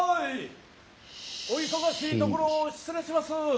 ・お忙しいところを失礼します。